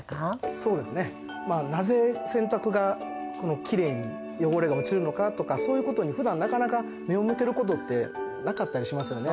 そうですねまあなぜ洗濯がきれいに汚れが落ちるのかとかそういうことにふだんなかなか目を向けることってなかったりしますよね。